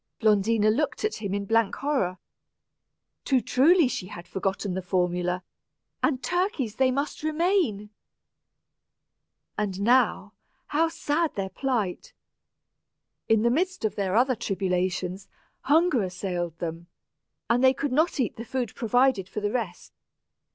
Blondina looked at him in blank horror. Too truly had she forgotten the formula, and turkeys they must remain! And now, how sad their plight! In the midst of their other tribulations, hunger assailed them, and they could not eat the food provided for the rest.